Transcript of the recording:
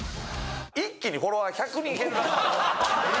一気にフォロワー１００人減るらしい。